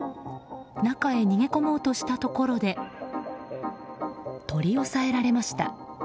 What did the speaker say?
中へ逃げ込もうとしたところで取り押さえられました。